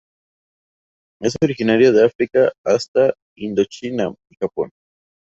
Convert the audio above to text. Es originario de África hasta Indochina y Japón.